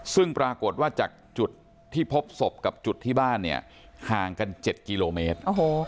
ซึ่งปรากฏว่าจากจุดที่พบศพกับจุดที่บ้านเนี่ยห่างกัน๗กิโลเมตร